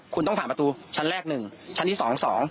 คุณต้องผ่านประตูชั้นแรกหนึ่งชั้นที่สอง